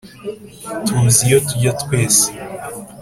tuzi iyo tujya twese